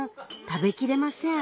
食べきれません